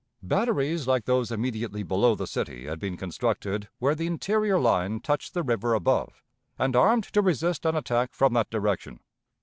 Batteries like those immediately below the city had been constructed where the interior line touched the river above, and armed to resist an attack from that direction.